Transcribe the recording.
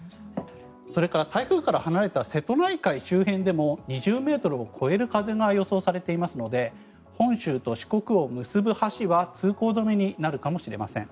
それから台風から離れた瀬戸内海周辺でも２０ｍを超える風が予想されていますので本州と四国を結ぶ橋は通行止めになるかもしれません。